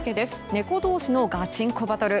猫同士のガチンコバトル。